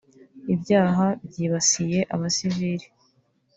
ibyaha byibasiye abasivili